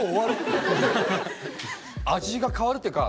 味が変わるっていうか